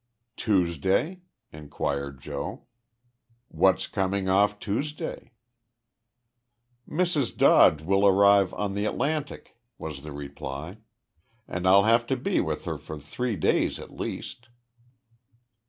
"Tuesday?" inquired Joe. "What's coming off Tuesday?" "Mrs. Dodge will arrive on the Atlantic," was the reply, "and I'll have to be with her for three days at least."